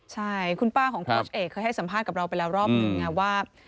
ใช่คุณป้าของโค้ชเอกเคยให้สัมภาษณ์กับเราไปแล้วรอบหนึ่งไงว่า